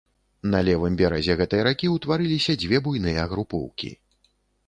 На левым беразе гэтай ракі ўтварыліся дзве буйныя групоўкі.